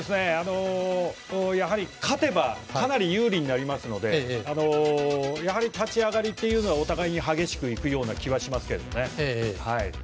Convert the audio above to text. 勝てばかなり有利になりますので立ち上がりはお互いに激しくいくような気がしますけどね。